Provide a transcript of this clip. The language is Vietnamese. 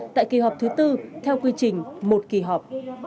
tại kỳ họp thứ tư theo quy trình một kỳ họp